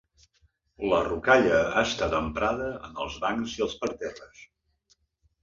La rocalla ha estat emprada en els bancs i els parterres.